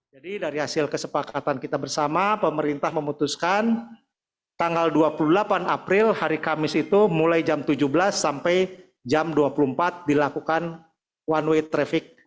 jadi dari hasil kesepakatan kita bersama pemerintah memutuskan tanggal dua puluh delapan april hari kamis itu mulai jam tujuh belas sampai jam dua puluh empat dilakukan one way traffic